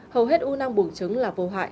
hầu hết u năng buồng trứng là vô hại